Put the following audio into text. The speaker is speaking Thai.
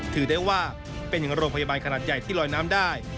ถือได้ว่าเป็นโรงพยาบาลขนาดใหญ่ที่ลอยน้ำได้